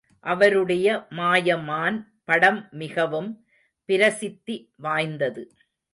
அவருடைய மாயமான் படம் மிகவும் பிரசித்தி வாய்ந்தது.